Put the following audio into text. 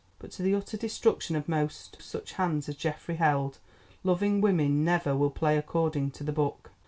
But to the utter destruction of most such hands as Geoffrey held, loving women never will play according to the book.